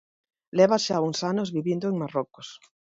Levas xa uns anos vivindo en Marrocos.